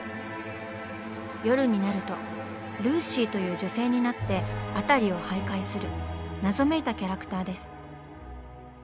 夜になると「ルーシー」という女性になって辺りを徘徊する謎めいたキャラクターです。